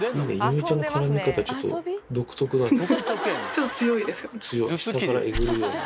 ちょっと強いですよね。